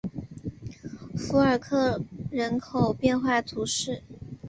富尔克人口变化图示